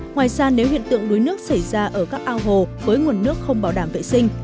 ngoài ra nếu hiện tượng đuối nước xảy ra ở các ao hồ với nguồn nước không bảo đảm vệ sinh